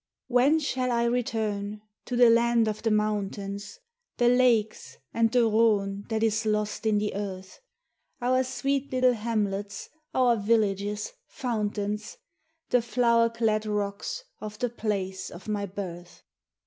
When shall I return to the Land of the Mountains The lakes and the Rhone that is lost in the earth Our sweet little hamlets, our villages, fountains, The flour clad rocks of the place of my birth?